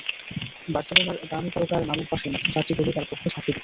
বার্সেলোনার দামি তারকার নামের পাশে মাত্র চারটি গোলই তাঁর পক্ষে সাক্ষী দিচ্ছে।